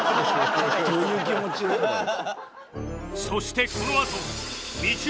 どういう気持ちなんだよ。